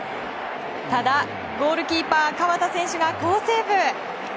ただ、ゴールキーパー河田選手が好セーブ。